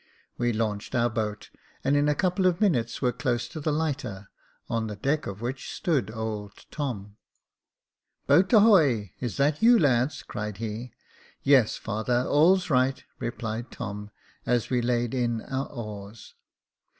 We launched our boat, and in a couple of minutes were close to the lighter, on the deck of which stood old Tom. Jacob Faithful 177 Boat ahoy ! is that you, lads ?" cried he. Yes, father, all's right," replied Tom, as we laid in our oars.